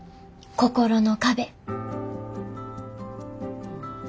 心の壁。